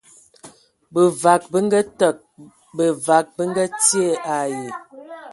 Bevag be ngaateg, bevag be ngaatie ai.